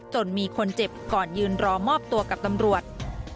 จนมีคนเจ็บก่อนยืนรอมอบตัวกับตำรวจ